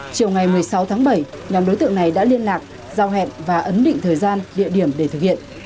chiều ngày một mươi sáu tháng bảy nhóm đối tượng này đã liên lạc giao hẹn và ấn định thời gian địa điểm để thực hiện